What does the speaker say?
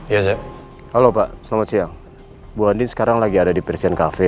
ya saya halo pak selamat siang bu andi sekarang lagi ada di person cafe